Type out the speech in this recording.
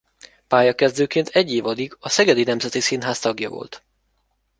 Pályakezdőként egy évadig a Szegedi Nemzeti Színház tagja volt.